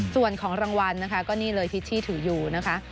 ส่วนของรางวัลนะคะก็นี่เลยพิชชี่ถืออยู่นะคะ